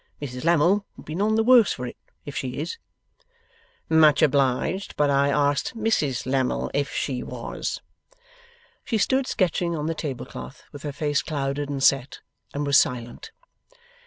Mrs Lammle will be none the worse for it, if she is.' 'Much obliged. But I asked Mrs Lammle if she was.' She stood sketching on the table cloth, with her face clouded and set, and was silent.